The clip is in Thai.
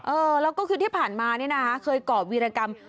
เออแล้วก็คือที่ผ่านมานี่นะคะเคยก่อวีรกรรม